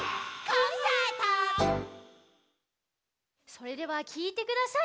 それではきいてください。